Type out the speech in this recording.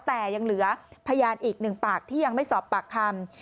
แต่ยังเหลือพยานอีกหนึ่งปากที่ยังไม่สอบปากคำ